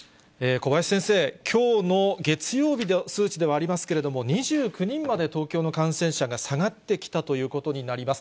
小林先生、きょうの月曜日の数値ではありますけれども、２９人まで東京の感染者が下がってきたということになります。